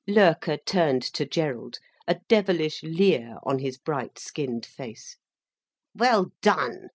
Loerke turned to Gerald, a devilish leer on his bright skinned face. "Well done!"